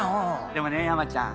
でもね山ちゃん